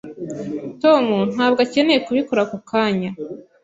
Tom ntabwo akeneye kubikora ako kanya.